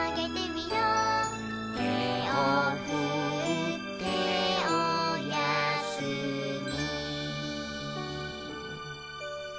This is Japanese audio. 「てをふっておやすみ」